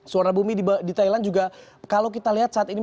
suwarnabumi di thailand juga kalau kita lihat saat ini